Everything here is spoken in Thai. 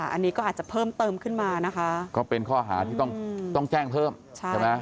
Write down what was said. อันนี้ก็อาจจะเพิ่มเติมขึ้นมานะคะก็เป็นข้อหาที่ต้องแจ้งเพิ่มใช่ไหม